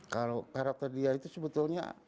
kalau karakter dia itu sebetulnya